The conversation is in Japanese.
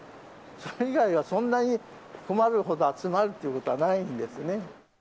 それ以外はそんなに困るほど集まるということはないんですね。